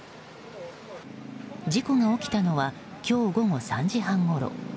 事故が起きたのは今日午後３時半ごろ。